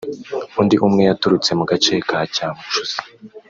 undi umwe yaturutse mu gace ka Cyamucuzi